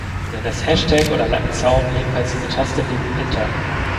Nenn es Hashtag oder Lattenzaun, jedenfalls diese Taste neben Enter.